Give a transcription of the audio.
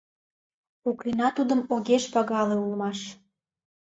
Оклина тудым огеш пагале улмаш...